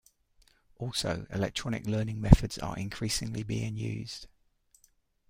Also, electronic learning methods are increasingly being used.